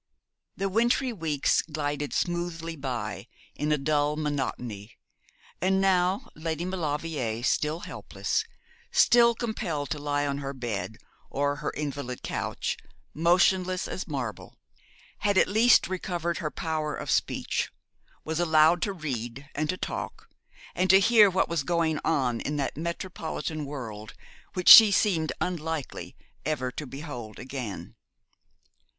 The wintry weeks glided smoothly by in a dull monotony, and now Lady Maulevrier, still helpless, still compelled to lie on her bed or her invalid couch, motionless as marble, had at least recovered her power of speech, was allowed to read and to talk, and to hear what was going on in that metropolitan world which she seemed unlikely ever to behold again.